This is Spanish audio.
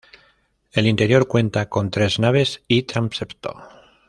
El interior cuenta con tres naves y transepto.